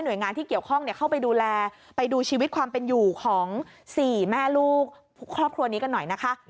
โดยงานที่เกี่ยวข้องเข้าไปดูแลไปดูชีวิตความเป็นอยู่ของ๔แม่ลูกครอบครัวนี้กันหน่อยนะคะ